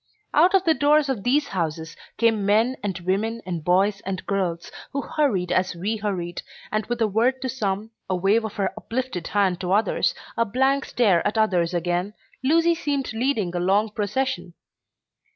Out of the doors of these houses came men and women and boys and girls, who hurried as we hurried, and with a word to some, a wave of her uplifted hand to others, a blank stare at others again, Lucy seemed leading a long procession.